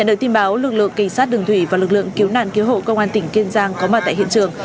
nhận được tin báo lực lượng kỳ sát đường thủy và lực lượng cứu nạn cứu hộ công an tỉnh kiên giang có mặt tại hiện trường